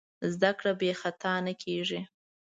زدهکړه بېخطا نه کېږي.